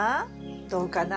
どうかな？